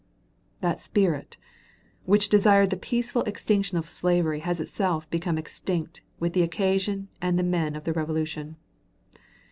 That spirit which desired the peaceful extinction of slavery has itself become extinct with the occasion and the men of the Revolution.